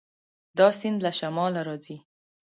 دا سیند له شماله راځي.